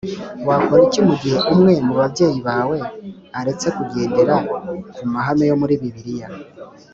Wakora iki mu gihe umwe mu babyeyi bawe aretse kugendera ku mahame yo muri Bibiliya